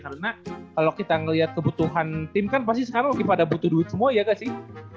karena kalau kita melihat kebutuhan tim kan pasti sekarang lagi pada butuh duit semua ya gak sih